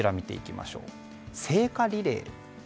聖火リレー。